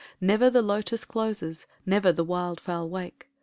•••••• Never the lotos closes, never the wild fowl wake.